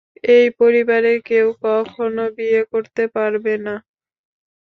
এই পরিবারের কেউ কখনো বিয়ে করতে পারবে না।